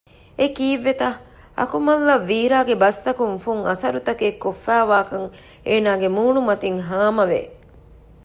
އެކީއްވެތަ؟ އަކުމަލްއަށް ވީރާގެ ބަސްތަކުން ފުން އަސްރުތަކެއް ކޮށްފައިވާކަން އޭނާގެ މޫނުމަތިން ހާމަވެ